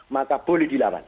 maka boleh dilawan